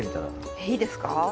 えっいいですか？